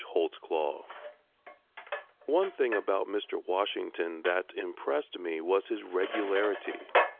HOLTZCLAW One thing about Mr. Washington that impressed me was his regularity.